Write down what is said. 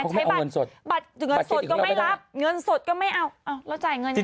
ใช้บัตรเงินสดก็ไม่รับเงินสดก็ไม่เอาเราจ่ายเงินยังไง